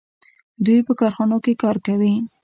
دوی په کارخانو کې کار کوي.